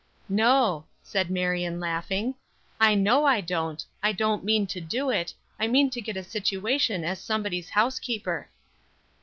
"No," said Marion, laughing. "I know I don't; I don't mean to do it; I mean to get a situation as somebody's housekeeper."